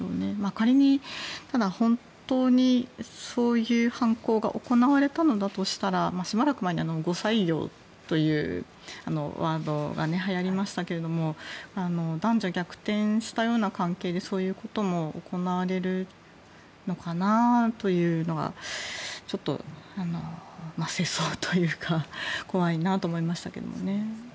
仮に本当にそういう犯行が行われたのだとしたらしばらく前に後妻業というワードが、はやりましたが男女逆転したような関係でそういうことも行われるのかなというのがちょっと世相というか怖いなと思いましたけどね。